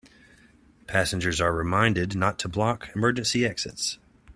Passengers are reminded not to block the emergency exits.